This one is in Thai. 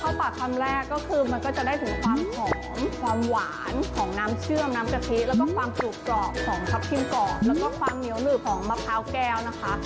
ปากคำแรกก็คือมันก็จะได้ถึงความหอมความหวานของน้ำเชื่อมน้ำกะทิแล้วก็ความกรุบกรอบของทัพทิมกรอบแล้วก็ความเหนียวหนืบของมะพร้าวแก้วนะคะ